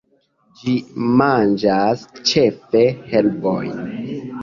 Ĝi manĝas ĉefe herbojn.